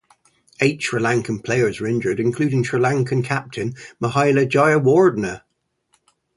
Eight Sri Lankan players were injured, including Sri Lankan captain, Mahela Jayawardene.